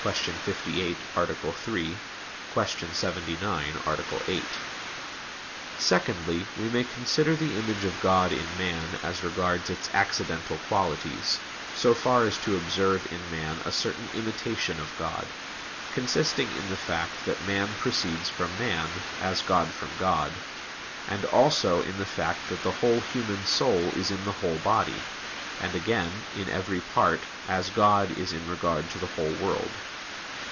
58, A. 3; Q. 79, A. 8). Secondly, we may consider the image of God in man as regards its accidental qualities, so far as to observe in man a certain imitation of God, consisting in the fact that man proceeds from man, as God from God; and also in the fact that the whole human soul is in the whole body, and again, in every part, as God is in regard to the whole world.